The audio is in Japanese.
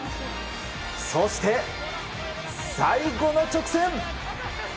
そして、最後の直線！